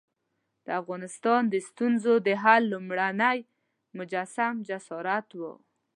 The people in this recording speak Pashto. د افغانستان د ستونزو د حل لومړنی مجسم جسارت وو.